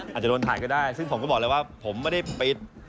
อาจจะโดนถ่ายก็ได้ซึ่งผมก็บอกเลยว่าผมไม่ได้ปิด